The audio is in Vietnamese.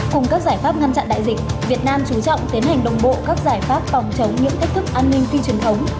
cùng các giải pháp ngăn chặn đại dịch việt nam chú trọng tiến hành đồng bộ các giải pháp phòng chống những thách thức an ninh phi truyền thống